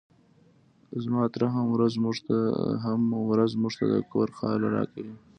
زما تره هره ورځ موږ ته د کور حال راکوي.